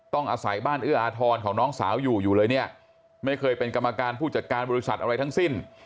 ต้องอาศัยบ้านเอื้ออาทรของน้องสาวอยู่อยู่เลยเนี่ยไม่เคยเป็นกรรมการผู้จัดการบริษัทอะไรทั้งสิ้น